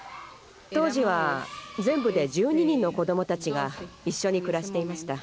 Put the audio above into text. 当時は全部で１２人の子どもたちが一緒に暮らしていました。